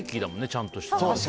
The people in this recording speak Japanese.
ちゃんとした。